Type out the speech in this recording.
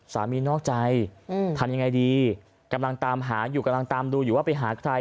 นอกใจทำยังไงดีกำลังตามหาอยู่กำลังตามดูอยู่ว่าไปหาใคร